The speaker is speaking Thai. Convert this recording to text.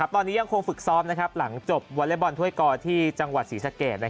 ตอนนี้ยังคงฝึกซ้อมหลังจบไปผู้ท้อยกราบที่จังหวัดศรีสะเกต